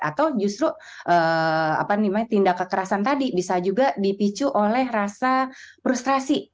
atau justru tindak kekerasan tadi bisa juga dipicu oleh rasa frustrasi